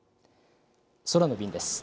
空の便です。